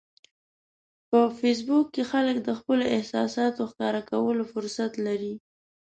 په فېسبوک کې خلک د خپلو احساساتو ښکاره کولو فرصت لري